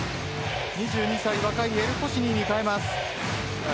２２歳若いエルホシニーに代えます。